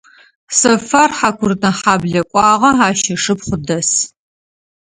Сэфар Хьакурынэхьаблэ кӏуагъэ, ащ ышыпхъу дэс.